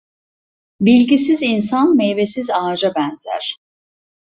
Bilgisiz insan meyvesiz ağaca benzer.